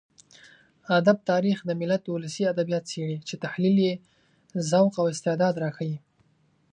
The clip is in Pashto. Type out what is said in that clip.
ادب تاريخ د ملت ولسي ادبيات څېړي چې تحليل يې ذوق او استعداد راښيي.